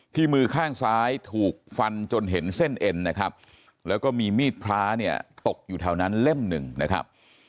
มือข้างซ้ายถูกฟันจนเห็นเส้นเอ็นนะครับแล้วก็มีมีดพระเนี่ยตกอยู่แถวนั้นเล่มหนึ่งนะครับ